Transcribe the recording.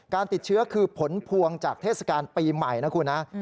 ติดเชื้อคือผลพวงจากเทศกาลปีใหม่นะคุณนะ